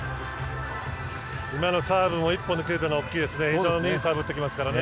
今のサーブも１本で切れたのが大きいですね。